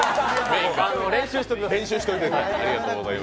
練習しておきます。